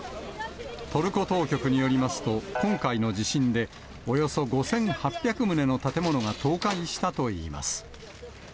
トルコ当局によりますと、今回の地震で、およそ５８００棟の建物が倒壊したといいます。